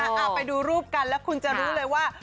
เอาไปดูรูปกันแล้วคุณจะรู้เลยว่า